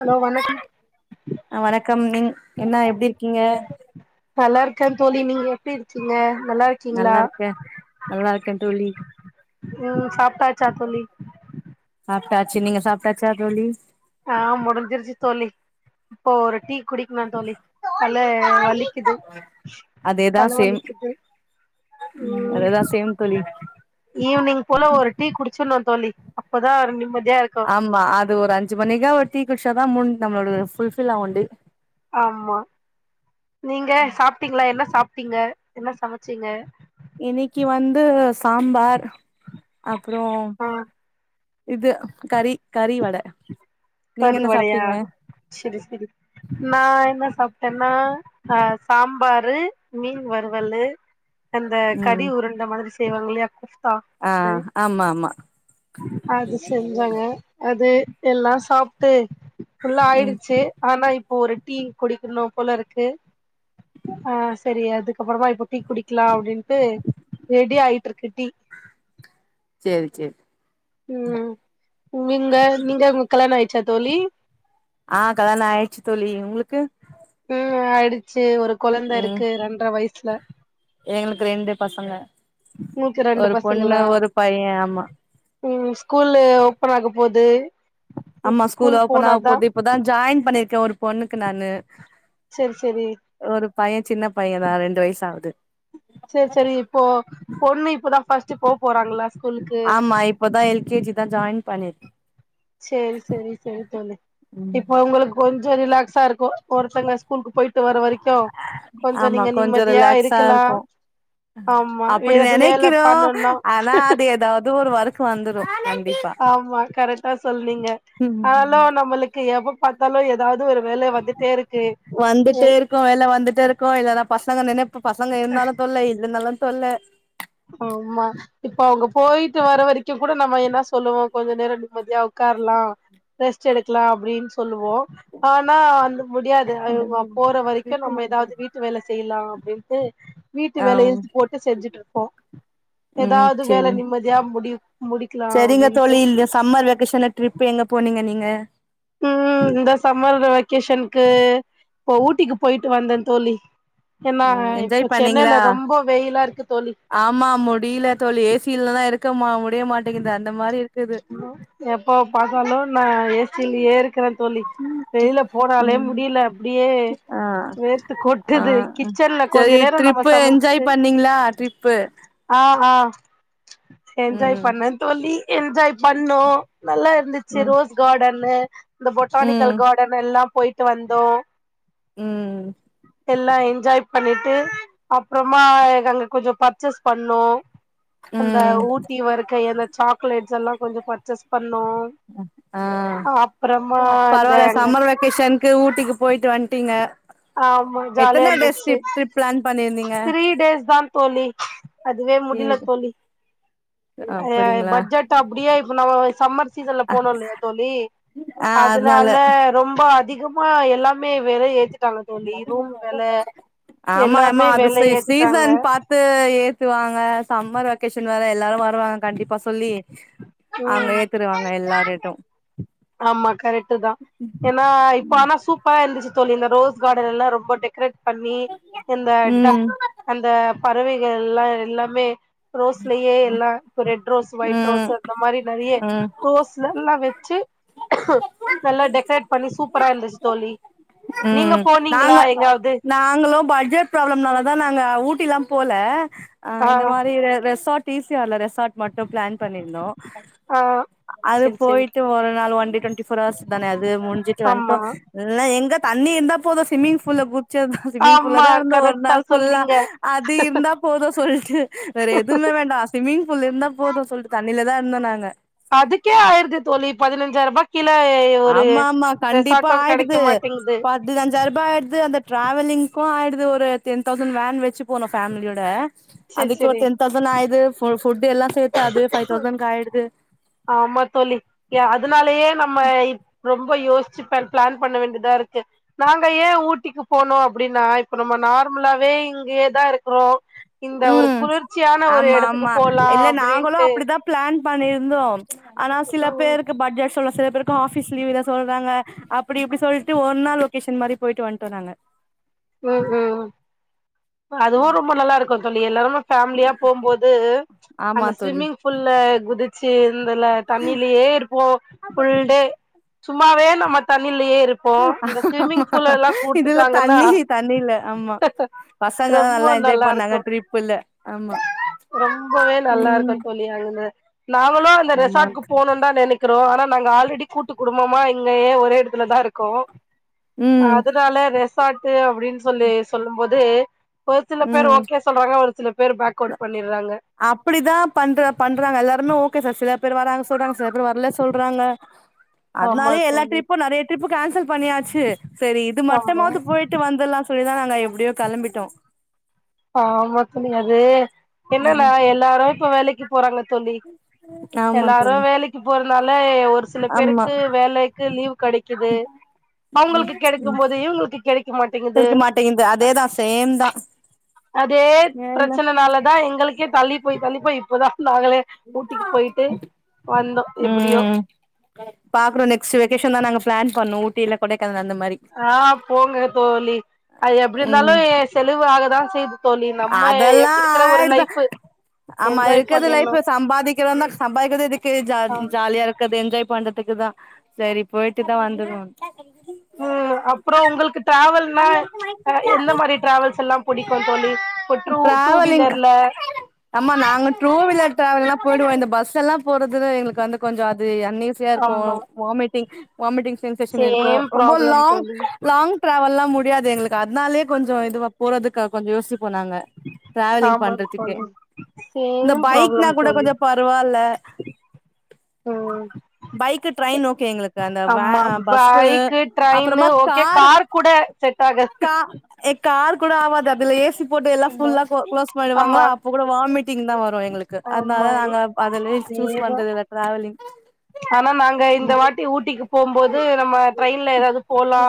hello வணக்கம் அ வணக்கம் நீங் என்ன எப்டி இருக்கீங்க நல்லா இருக்கே தோழி நீங்க எப்டி இருக்கீங்க நல்லா இருக்கீங்களா நல்லா இருக்கே தோழி ம் சாப்ட்டாச்சா தோழி ட்டாச்சு நீங்க சாப்டாச்சா தோழி ஆ முடஞ்சிருச்சு தோழி இப்போ ஒரு டீ குடிக்னோ தோழி தல வலிக் குது அதேதா சேம் தலவலிக்குது ம் அதேதா சேம் தோழி ஈவினிங் போல ஒரு டீ குடிச்சுட்னு தோழி அப்பதா நிம்ம ஆமா அது ஒரு அஞ்சு மணிக்கா ஒரு தீ குட்சாதா முன் நம்மளுடைய ஃபுல்ஃபில் ஆகு டே ஆமா நீங்க சாப்ட்டீங்களா என்ன சாப்ட்டீங்க என்ன சமச்சீங்க இன்னிக்கு வந்து சாம்பார் அப்றோ ஆ இது கறி கறி வட நீங்க கறி என்ன வடையா சாப்ட்டீங்க செரி செரி நா என்ன சாப் டன்னா ஆ சாம்பாரு மீன் வறுவலு அந்த கடி ம் உருண்ட மாத்ரி செய்வாங்கல்லையா ஆ ஆமா ஆமா [unintelligible] அது செஞ்சாங்க அது எல்லா சாப்ட்டு ம் ஃபுல்லாயிடுச்சு ஆனா இப் போ ஒரு டீ குடிக்கணு போலருக்கு ஆ செரி அதுக்கப்றமா இப்போ டீ குடிக்கலா அப்டின்ட்டு ரெடி ஆயிட்ருக்கு டீ செரி செ ம் நீங்க நீங்க உங் கல்யாணாயிச்சா தோழி ஆ கல்யாணே ஆயிச்சு தோழி உங்குளுக்கு ம் ஆயிடுச்சு ஒரு கொழந்தருக்கு ரெண்ட்ர வயசுல எங்ளுக்கு ரெண்டு பசங்க உங்களுக்கு ரெண்டு ஒரு பொண்ணு பசங்களா ஒரு பைய ஆமா ம் ஸ்கூலு ஓப்பனாக போது ஆமா ஸ்கூல் ஓபனாக போது இப்பதா ஜாயின் பண்ணிருக்கே ஒரு பொண்ணுக்கு நானு செர் செரி ஒரு பைய சின்ன பைய தா ரெண்டு வயசாவுது செர் செரி இப்போ பொண்ணு இப்பதா ஃபர்ஸ்ட்டு போ போறாங்களா ஸ்கூலுக்கு ஆமா இப்பதா எல் கே ஜி தா ஜாயின் பண்ணிர் சேரி செரி செரி தோழி ம் இப்ப உங்களுக்கு கொஞ் சோ ரிலாக்ஸார்க்கூ ஒருத்தங்க ஸ்கூல்கு போயிட்டு வர வரைக்கூ கொஞ்சோ நீங்க நிம்மதியா இருக் ஆர்க்கோ அப்டி எது வேல நெனைக்கிறோ பண்ணுனா ஆனா அது ஏதாவ்து ஒரு வர்க் வந்துரு கண்டிப்பா ஆமா கரெக்டா சொல்லீங்க ஆலூ நம்மளுக்கு எப்ப பாத்தாலு ஏதாவ்த் வந்துட்டேர்க்கூ வேல வந்துட்டேர்க்கூ இல்லனா பசங்க நெனைப் பசங்க இருந்தாலு தொல்ல இல்லனாலு தொல்ல ஆமா இப்ப அவுங்க போயிட்டு வர வரைக்கூ கூட நம்ம என்ன சொல்லுவோ கொஞ்ச நேரோ நிம்மதியா உக் கார்லா ரெஸ்ட் எடுக்குலா அப்பிடின் சொல்லுவோ ஆனா அந்த முடியாது அவங்க போற வரைக்கூ நம்ம ஏதாவ்து வீட்டு வேல செய்லா அப்டின்ட்டு வீட்டு ஆ வேலையில் போட்டு செஞ்சுட்ருப்போ ஏதாவ்து வேல நிம்மதியா முடியு செரிங்க தோழி இல்க சம்மர் வெக்கேஷன்ல ட்ரிப் எங்க போனீங்க நீங்க ம் இந்த சம்மர்ல வெக்கேஷன்கு போ ஊட்டிக்கு போயிட்டு வந்தே தோழி ஏனா ம் இப்ப என்ஜாய் சென்னைல பண்ணீங்களா ரொம்ப வெயிலாருக்கு ஆமா முடில தோழி ஏ சி இல்லனா இருக்கமா முட் எப்ப பாத்தாலு நான் ஏ சி லியே இருக்றேந் தோழி வெளில போனாலே ம் முடில அப்டியே ஆ வேர்த்து ஆ கொட்டுது கிச்சன்ல கொஞ்ச சரி நேரே நம்ம ட்ரிப்பு என்ஜாய் சமைச்ட்டு பண்ணீங்களா ட்ரிப்பு ஆ ஆ என்ஜாய் ம் பண்ணே தோழி என்ஜாய் பண்ணோ நல்லா இருந்துச்சு ம் ரோஸ் கார்டன்னு இந்த ம் பொட்டானிக்கல் கார்டன் எல்லா போயிட்டு வந்தோ ம் எல்லா என்ஜாய் பண்ணிட்டு அப்றமா எங்க அங்க கொஞ்சோ பர்ச்சேஸ் பண்ணோ அந்த ம் ஊட்டி வர்க்கை அந்த சாக்லேட்ஸ் எல்லா கொஞ்சோ பர்ச்சேஸ் பண் ஆ அப்றமா இந்த பரவால்ல அங்க சம்மர் வெக்கேஷன்கு ஊட்டிக்கு போயிட்டு வன்ட்டீங்க ஆமா ஜாலியா இருந்துச்சு பிளான் பண்ணிருந்தீங்க த்ரீ டேஸ் தா தோழி அதுவே முடில தோழி ஆ அப்படிங்களா பட்ஜெட் அப்டியே இப் நம்ம சம்மர் சீசன்ல போனோ இல்லையா தோழி ஆ அதுனால அதனால ரொம்ப அதிகமா எல்லாம் மே வெற ஏத்திட் ஆமா ஆமா எல்லாமே அது ச வெல ஏத்திட்டாங்க சீசன் பாத்து எ துவாங்க சம்மர் வெகேஷன் வேற எல்லாரு வருவாங்க கண்டிப்பா சொல்லி அங்க ம் ஏத்திருவாங்க எல்லாரேட்டு ஆமா கரெக்ட்டு தா ஏன்னா இப்போ ஆனா சூப்பார இருந்துச்சி தோழி இந்த ரோஸ் கார்டன் எல்லா ரொம்ப டெக்கரேட் பண்ணி இந்த டக் ம் அந்த பறவைகள் எல்லா எல்லாமே ரோஸ்லயே எல்லா இப்ப ரெட் ரோஸ் ஒயிட் ரோஸ் ம் அந்த மாரி ந நறைய ம் ரோஸ்லா எல்லா வெச்சி நல்லா டெக்ரேட் பண்ணி சூப் ப்பரா இருந்துச்சி தோழி நீங்க ம் போனீங்களா நாங்க எங்காவது நாங்களு பட்ஜெட் ப்ராப்ளம்னால தா நாங்க ஊட்டிலாம் போல அ ஆ இந்த மாரி ரெசாட் ஈ ஸி ஆர் ல ரெசாட் மட்டு பிளான் பண்ணிருந்தோ ஆ அது செரி செரி போயிட்டு ஒரு நாள் ஒன்லி டுவெண்ட்டி ஃபோர் அவர்ஸ் தானே அது முடிஞ்சிட்டு வன்டோ ஆமா எல்லா எங்க தண்ணி இருந்தா போதோ ஸ்விம்மிங் ஃபூல்ல குச்சத்தா ஸ்விம்மிங் ஃபூல்ல ஆமா தா இருந்தோ ஒரு கரெக்டா நாள் ஃபுல்லா சொன்னீங்க அது இருந்தா போதோ சொல் வேற எதுவுமே வேண்டா ஸ்விம்மிங் ஃபூல்ல இருந்தா போது சொல்லிட்டு தண்ணில தா இருந்தோ நாங்க அதுக்கே ஆயிருது தோழி பதினஞ்சாயிர ரூபா ஆமா ஆமா கண்டிப்பா கெடைக்க ஆயிடுது மாட்டேங்குது பதினஞ்சாயிர ரூபா ஆயிடுது அந்த டிராவலிங்கு ஆயிடு அது ஒரு டென் தௌசண்ட் வேன் வெச்சி போனே ஃபேமிலியோட செரி அதுக்கு ஒரு செரி டென் தௌசண்ட் ஆயிடுது ஹோல் ஃபுட் எல்லா சேத்து அதுவே பைவ் தௌசண்கு ஆயிடுது ஆமா தோழி ஏ அதுனாலயே நம்ம இ ரொம்ப யோசிச்சி பர் பிளான் பண்ண வேண்டிதா இருக்கு நாங்க ஏயே ஊட்டிக்கு போனோ அப்டின்னா இப்ப நம்ம நார்மலாவே இங்கயே தா இருக்குறோ ம் ஆமா ஆமா போலா இல்ல நாங்களு அப்டின்ட்டு அப்டிதா பிளான் பண்ணியிருந்தோ ஆனா சில ம் பேருக்கு பட்ஜெட் சொல்ல சில பேருக்கும் ஆஃபீஸ் லீவ் இல்ல சொல்றாங்க அப்டி இப்டி சொல்டு ஒரு நாள் வெக்கேஷன் மாரி போயிட்டு வன்டோ நாங்க ம் ம் அதுவு ரொம்ப நல்லா இருக்கு தோழி எல்லாருமா ஃபேமிலியா போம்போது ஆமா அந்த தோழி ஸ்விம்மிங் ஃபூல்ல குதிச்சி ந்துல தண்ணிலேயே இருப்போ ஃபுல்டே சும்மாவே நம்ம தண்ணி லியே இருப்போ இந்த ஸ்விம்மிங் ஆமா ஃபூல்லெல்லா இதுல குடுத்துட்டாங்கன்னா தண்ணி தண்ணில ஆமா பசங்கதா ரொம்ப நல்லா என்ஜாய் பண்ணாங்க இருக்கு ட்ரிப்புல ஆமா ரொம்பவே நல்லா இருக்கோ ம் தோழி அங்கன நாங்களு அந்த ஆமா ரெசார்ட்கு போணோம்னு தா நெனைக்கிறோ ஆனா நாங்க ஆல்ரெடி கூட்டுக் குடும்போ மா இங்கயே ஒரே எடத்துல தா இருக்கோ ம் அதனால ரெசாட் அப்டின்னு சொல்லி சொல்லும் போதே ஒரு சில பேர் ம் ஓகே சொல்றாங்க ஒரு சில பேர் பேக் அவுட் பண் அப்டிதா பண்ற பண்றாங்க எல்லாருமே ஓகே சார் சில பேர் வராங்க சொல்றாங்க சில பேரு வர்ல சொல்றாங்க ஆமா அத்னாலே எல்லா தோழி ட்ரிப்பு நறைய ட்ரிப் கேன்சல் பண்ணியாச்சி சேரி இது ஆமா மட்டமாது போயிட்டு வந்துலா சொல்லிதா நா நா எப்டியோ கெளம்பிட்டோ ஆமா தோழி அது என்னன்னா ம் எல்லாரு இப்ப வேலைக்கு போறாங்க தோழி ஆமா எல்லாரு தோழி வேலைக்கு போறனால ஒரு சில ஆமா பேருக்கு வேலைக்கு லீவ் கெடைக்குது அவுங்களுக்கு கெடைக்கு ம் போது இவுங்களுக்கு கெடைக் க மாட்டேங்குது கிடைக்க மாட்டேங்குது அதேதா சேம் தா அதே ஏல பிரச்சனனாலதா தா எங்களுக்கே தள்ளி போய் தள்ளி போய் இப்போதா நாங்களே ஊட்டிக்கி போயிட்டு வந்தோ எப்டியோ ம் பாக்குறோ நெஸ்ட் வெக்கேஷன் தா நாங்க பிளான் பண்ணோ ஊட்டி இல்ல கொடை ஆ போங்க தோழி அது எப்டி இருந்தாலு ம் செலவு ஆகதா செய்து தோழி நம்ம அதெல்லா இருக்கிற ஒரு ஆயிடுது லைஃப் ஆமா என்ஜாய் இருக்கறது பண்ணிர்னு லைஃப்ல சம்பாதிக்கிறோம்னா சம்பாதிக்கிறது எதுக்கு ஜாலி ஆமா ஜாலியா இருக்கறது என்ஜாய் பண்றதுக்கு தா சேரி போயிட்டுதா வந்துடுவோன் ம் அப்புறோ உங்களுக்கு ட்ராவல்னா அ எந்த மாரி டிராவல்ஸ் எல்லா புடிக் [unintelligible] டூ வீலர்ல ஆம்மா நாங்க ட் ருவீலர் டிராவல்லா போயிடுவோ இந்த பஸ் எல்லா போறதுல்ல எங்களுக்கு வந்து கொஞ்ச அது அண்ணி சியா இருக்கு ஆமா வாமிட்டிங் வாமிட்டிங் சென்சேஷன் இருக்கு சேம் ரொம்ப ப்ராப்ளம் லாங் தோழி லாங் ட்ராவல்லா முடியாது எங்களுக்கு அதனாலயே கொஞ்ச இதுவா போறதுக்கு கொஞ்ச யோசி போ நாங்க டிராவலிங் ஆமா பண்றதுக்கு தோழி இந்த சேம் பைக்னா கூட கொஞ்ச பரவால்ல [inaudible] உம் பைக்கு ட்ரெயின் ஓகே எங்களுக்கு அந்த வே ஆமா பஸ்ஸு பைக்கு ட்ரெயின்னு அப்புறமா ஒ ஓகே கார் காரு கூட செட் ஆகாது கா எ கார் கூட ஆவாது அதுல ஏசி போட்டு எல்லா ஆமா ஃபுல்லா குளோ குளோஸ் பண்ணிடுவாங்களா ஆமா அப்ப கூட வாமிட்டிங்தா வரு வரு எங்களுக்கு ஆமா அதனால நாங்க அதல சூஸ் அதேதா பண்றது இந்த டிராவலிங் ஆனா நாங்க இந்த வாட்டி ஊட்டிக்கு போம்போது நம்ம ட்ரெயின்ல ஏதாவது போலா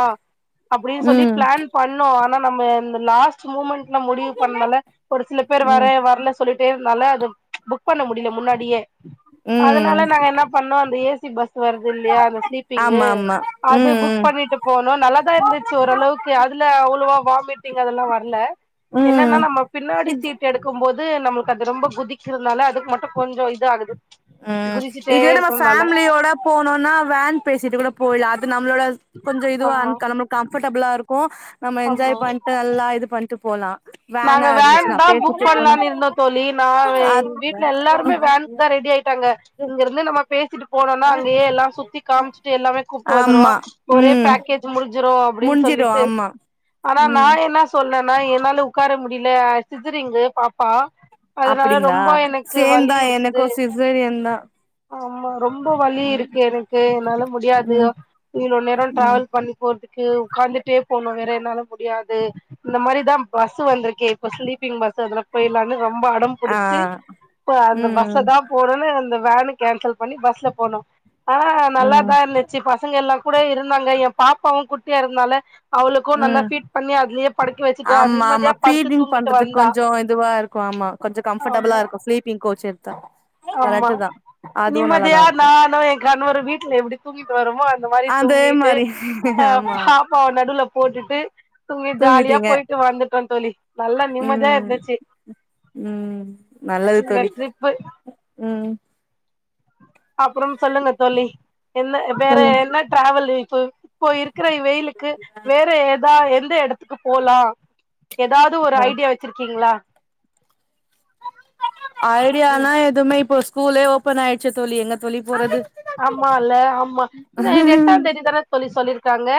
அப்டின்னு சொல்லி ம் பிளான் பண்ணோ ஆனா நம்ம இந்த லாஸ்ட் மூமெண்ட் ன முடிவு பண்ணல ஒரு சில பேர் ம் வரே வரல சொல்லிட்டேனால அது ச் புக் ப பண்ண முடில முன்னாடியே ம் அதனால நாங்க என்ன பண்ணோ அந்த ஏசி பஸ் வருது இல்லீயா அந்த ஸ்லீப்பிங்கு ஆமா ஆமா அது புக் ம் பண்ணிட்டு போனோ நல்லாதா இருந்துச்சு ம் ஓரளவுக்கு அதுல அவ்வளவா வாமிட்டிங் அதெல்லா வரல என்னன்னா ம் நம்ம பின்னாடி இது சீட் எடுக்கு போ து நம்மளுக்கு அது ரொம்ப குதிக்கிறதுனால அதுக்கு மட்டு கொஞ்ச இது ஆகுது உம் குதிச்சுட்டே இதுவே நம்ம இருக்கறனால ஃபேமிலியோட போனுன்னா வேன் பேசிட்டு கூட போயல அது நம் கொஞ்ச இதுவா அன் ஆமா க நம்பளுக்கு கம்ஃபர்டபிளா இருக்கு நம்ம ஆமா என்ஜாய் பண்ணிட்டு நல்லா இது பண்ணிட்டு போலா வேனா நாங்க இருந்துச்சுன்னா வேன்தா புக் பேசிட்டு போனா பண்ணலான்னு இருந்தோ தோழி நா எ அ வீட்ல எல்லாருமே வேனு்க்குதா ரெடி ஆயிட்டு ங்க இங்க இருந்து நம்ம பேசிட் போனன்னா அங்கயே எல்லா சுத்தி காமிச்சுட்டு எல்லாமே கூப்ட்டு வந்துருவோ ஆமா ஒரே ம் பேக்கேஜ் முடிஞ்சுடு அப்டின்னு முடிஞ்சிடு சொல்லிட்டு ஆமா ஆனா நா ம் என்ன சொ ன்னா என்னால உட்கார முடியல அ சீசேரிங்கு பாப்பா அதனால அப்டிங்களா ரொம்ப எனக்கு சேம் வலி தா இருக்குது எனக்கு சிசேரியன் தா ஆமா ரொம்ப வலி ம் இருக்கு எனக்கு என்னால முடியாது ம் இவ்ளோ நேர ம் டிராவல் பண்ணி போறதுக் கு உக்காந்துட்டே போனு வேற என்னால முடியாது இந்த மாரிதா பஸ் வந்திருக்கே இப்ப ஸ்லீப்பிங் பஸ் வருதுன்னா போயில்லானு ரொம்ப அடம் ஆ புடிச்சு ப்ப அந்த ம் பஸ்ஸதா போறன்னு அந்த வேனு கேன்சல் பண்ணி பஸ்ல போனோ ஆனா ம் நல்லாதா இருந்துச்சு பசங்க எல்லா கூட இருந்தாங்க என் பாப்பாவு குட்டியா இருந்தால அவளுக்கு நல்லா ம் ஃபீட் பண்ணி அதுலயே படுக்க வச்சுட்டு அ ஆமா ஆமா ஃபீடிங் பண்றதுக்கு கொஞ்ச இதுவா இருக்கு ஆமா கொஞ்ச கம்ஃபர்டபிளா ஆமா இருக்கு ஸ்லீப்பிங் கோச் எடுத்தா ஆமா கரெக்ட் தா அதுவு நல்லாதா நிம்மதியா இருக்கு நானு என் கண வரு வீட்ல எப்படி தூங்கிட்டு வரோமோ அந்த மாரி அதே தூங்கிட்டு மாரி அ ஆமா பாப்பாவ நடுவுல போட்டுட்டு தூங்கி ஜாலியா தூங்கிட்டீங்க போயிட்டு வந்துட்டோ தோழி நல்லா நிம்மதியா இருந்துச்சு உம் நல்லது இந்த தோழி ட்ரிப்பு உம் அப்புறம் சொல்லுங்க தோழி என்ன வேற சொல்லுங் என்ன டிராவல் இப்ப இப்போ இருக்கிற வெயி லுக்கு வேற எதா எந்த எடத்துக்கு போலா ஏதாவது ஒரு வ ஐடியா வச்சிருக்கீங்களா ஐடியாலா எதுமே இப்போ ஸ்கூலே ஓபன் ஆயிடுச்சு தோழி எங்க தோழி போறது ஆமால்ல ஆமா இது எட்டாந்தேதி தான தோழி சொல்லிருக்காங்க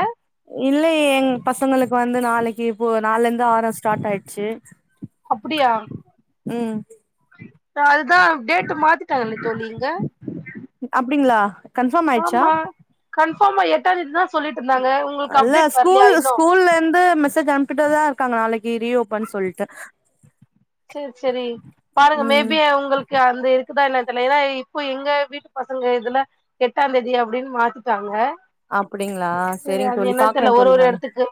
இல்லையே எங் பசங்களுக்கு வந்து நாளைக்கு இப்போ நாளைல்ல இருந்து ஆறம் ஸ்டார்ட் ஆயிடுச்சு அப்டியா உம் அஹ் அது தா டேட்டு மாத்திட்டாங்கல்ல தோழி இங்க அப்டிங்களா கன்ஃபார்ம் ஆயிடுச்சா ஆமா கன்பார்மா எட்டாந்தேதி தா சொல்லிட் அல்ல ஸ்கூல் ஸ்கூல்ல இருந்து மெசேஜ் அனுப்பிட்டே தா க்காங்க நாளைக்கு ரீஓப்பன் சொல்ட்டு சேரி சேரி பாருங்க ம் மேபி அவுங்களுக்கு க்க அந்த இருக்குதா என்னனு தெரில ஏனா இப்போ எங்க வீட்டு பசங்க இதுல எட்டாந்தேதி அப்டின்னு மாத்திட்டாங்க அப்டிங்களா செரி செரிங்க அது தோழி என்னன்னு பாக்குறே தெரில ஒரு தோழி ஒரு நானு எடத்துக்கு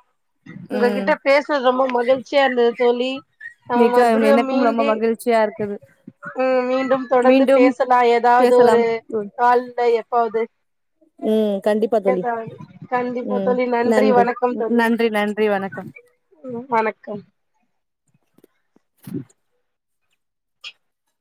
ம் உங்ககிட்ட பேசினது ரொம்ப மகிழ்ச்சியா இருந்தது தோழி நம்ம மறு மேம் எனக்கும் ரொம்ப மகிழ்ச்சியா இருக்குது ம் மீண்டும் தொடர்ந்து மீண்டும் பேசலா எதாவது ஒரு பேசலாம் தோழி கால்ல எப்பாது ம் கண்டிப்பா தோழி [unintelligible] கண்டிப்பா தோழி நன்றி வணக்கம் தோழி நன்றி நன்றி வணக்கம் ம் வணக்கம்